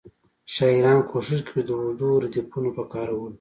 شاعران کوښښ کوي د اوږدو ردیفونو په کارولو.